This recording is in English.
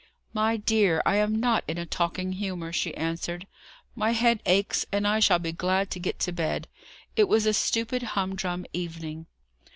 "My dear, I am not in a talking humour," she answered. "My head aches, and I shall be glad to get to bed. It was a stupid, humdrum evening."